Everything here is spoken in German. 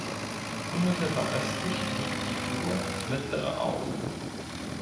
Unmittelbar östlich liegt die Flur Mittlere Au.